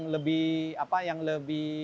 lebih apa yang lebih